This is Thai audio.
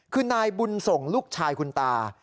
คือนายบุญส่งลูกชายคุณตา